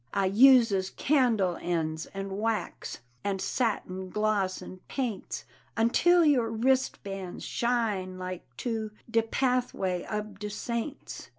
I uses candle ends, and wax, And satin gloss and paints, Until your wristbands shine like to De pathway ob de saints.